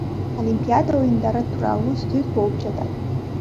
Олимпиада оюндары тууралуу сөз болуп жатат.